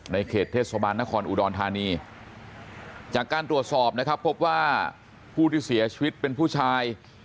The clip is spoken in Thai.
เขตเทศบาลนครอุดรธานีจากการตรวจสอบนะครับพบว่าผู้ที่เสียชีวิตเป็นผู้ชาย